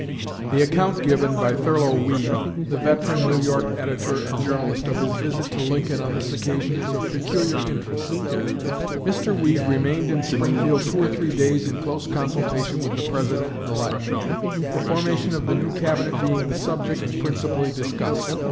The account given by Thurlow Weed, the veteran New York editor and journalist, of his visit to Lincoln on this occasion is of peculiar interest. Mr. Weed remained in Springfield two or three days in close consultation with the President elect, the formation of the new Cabinet being the subject principally discussed.